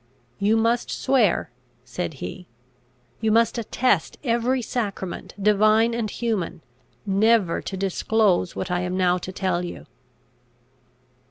"You must swear," said he. "You must attest every sacrament, divine and human, never to disclose what I am now to tell you."